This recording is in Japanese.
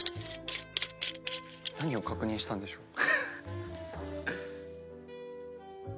何を確認したんでしょう。